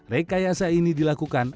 rekayasa ini dilakukan